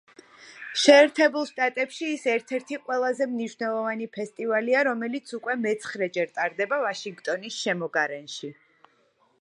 შეერთებულ შტატებში ის ერთ-ერთი ყველაზე მნიშვნელოვანი ფესტივალია, რომელიც უკვე მეცხრეჯერ ტარდება ვაშინგტონის შემოგარენში.